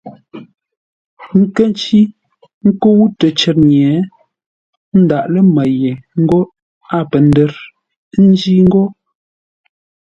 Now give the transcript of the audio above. Kə̂ ncí nkə́u təcər nye, ə́ ndáʼ lə́ mə́ yé ńgó a pə́ ndə́rńjí ńgó.